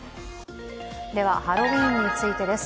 ハロウィーンについてです。